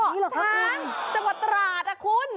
เหรอช้างจังหวัดตราดอ่ะคุณ